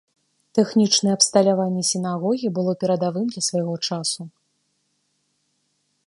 Тэхнічнае абсталяванне сінагогі было перадавым для свайго часу.